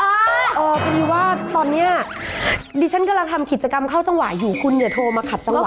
พอดีว่าตอนนี้ดิฉันกำลังทำกิจกรรมเข้าจังหวะอยู่คุณอย่าโทรมาขัดจังหวะ